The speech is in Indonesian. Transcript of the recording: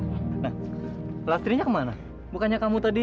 nah lastri nya kemana bukannya kamu tadi